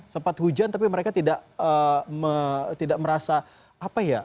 sempat hujan tapi mereka tidak merasa apa ya